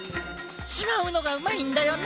しまうのがうまいんだよな！